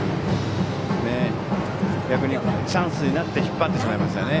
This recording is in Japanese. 逆にチャンスになって引っ張ってしまいましたね。